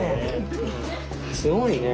すごいね。